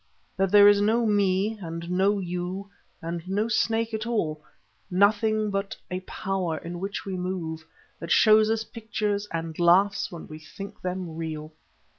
That there is no me and no you and no Snake at all, nothing but a Power in which we move, that shows us pictures and laughs when we think them real."